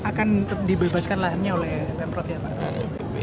akan dibebaskan lahannya oleh pemprov ya pak